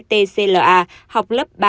t c l a học lớp ba